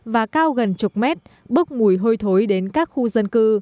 và cao gần chục mét bốc mùi hôi thối đến các khu dân cư